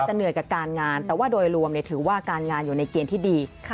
เหนื่อยกับการงานแต่ว่าโดยรวมถือว่าการงานอยู่ในเกณฑ์ที่ดี